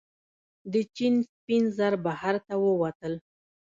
د چین سپین زر بهر ته ووتل.